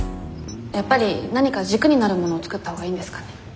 やっぱり何か軸になるものを作ったほうがいいんですかね。